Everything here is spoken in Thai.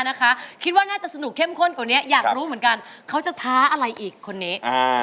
น่าจะสนุกเข้มข้นคืออยากรู้เหมือนกันเค้าจะท้าอะไรอีกคนนี้